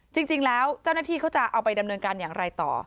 จริงแล้วเจ้าหน้าที่เขาจะเอาไปดำเนินการอย่างไรต่อ